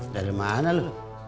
dari mana lu